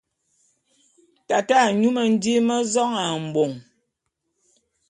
Tate a nyú mendím mé zong ā mbong.